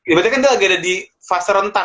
ibaratnya kan dia lagi ada di fase rentan